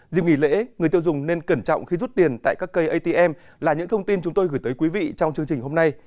dịp nghỉ lễ người tiêu dùng nên cẩn trọng khi rút tiền tại các cây atm là những thông tin chúng tôi gửi tới quý vị trong chương trình hôm nay